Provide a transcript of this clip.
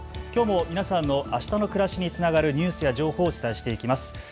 きょうも皆さんのあしたの暮らしにつながるニュースや情報をお伝えしていきます。